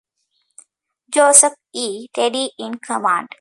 Joseph E. Reedy in command.